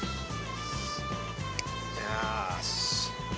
よし。